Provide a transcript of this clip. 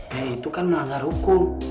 ya itu kan melanggar hukum